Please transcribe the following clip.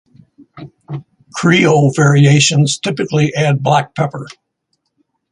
Creole variations typically add black pepper.